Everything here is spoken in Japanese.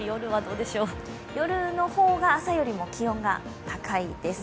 夜の方が朝よりも気温が高いです。